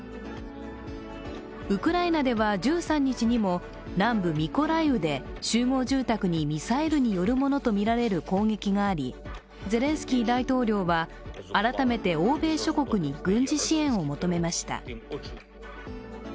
ウクライナでは、１３日にも南部ミコライウで集合住宅にミサイルによるものとみられる攻撃がありゼレンスキー大統領は改めて欧米諸国に軍事支援を求めました。